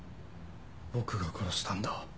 僕が殺したんだ。